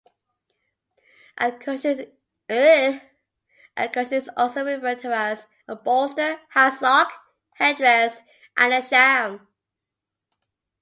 A cushion is also referred to as a bolster, hassock, "headrest" and a "sham".